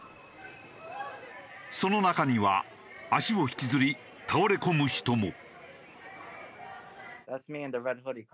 その中には足を引きずり倒れ込む人も。